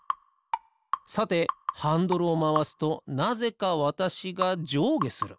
さてハンドルをまわすとなぜかわたしがじょうげする。